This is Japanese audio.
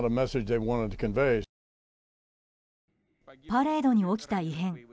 パレードに起きた異変。